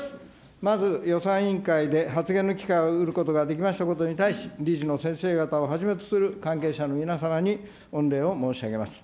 まず、予算委員会で発言の機会を得ることができましたことに対し、理事の先生方をはじめとする関係者の皆様に御礼を申し上げます。